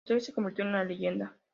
La historia se convirtió en leyenda...